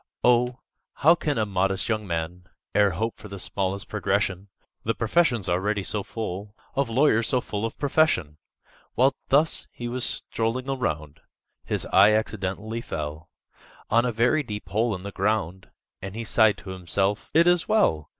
"O, how can a modest young man E'er hope for the smallest progression,— The profession's already so full Of lawyers so full of profession!" While thus he was strolling around, His eye accidentally fell On a very deep hole in the ground, And he sighed to himself, "It is well!"